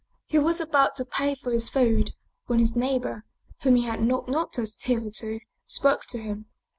He was about to pay for his food when his neighbor, whom he had not noticed hitherto, spoke to him.